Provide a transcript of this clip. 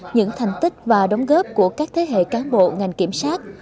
những thành tích và đóng góp của các thế hệ cán bộ ngành kiểm sát